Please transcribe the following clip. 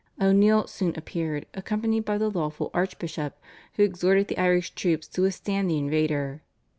O'Neill soon appeared accompanied by the lawful archbishop, who exhorted the Irish troops to withstand the invader.